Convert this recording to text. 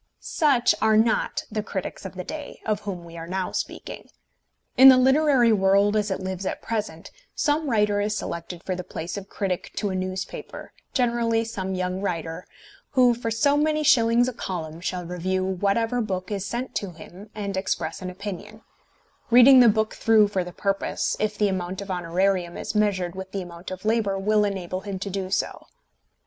Such are not the critics of the day, of whom we are now speaking. In the literary world as it lives at present some writer is selected for the place of critic to a newspaper, generally some young writer, who for so many shillings a column shall review whatever book is sent to him and express an opinion, reading the book through for the purpose, if the amount of honorarium as measured with the amount of labour will enable him to do so.